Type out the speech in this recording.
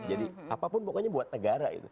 jadi apapun pokoknya buat negara